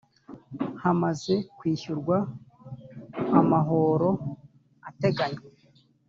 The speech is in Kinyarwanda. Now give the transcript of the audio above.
hamaze kwishyurwa amahoro ateganywa